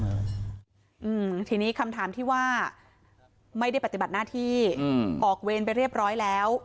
อืมทีนี้คำถามที่ว่าไม่ได้ปฏิบัติหน้าที่อืมออกเวรไปเรียบร้อยแล้ว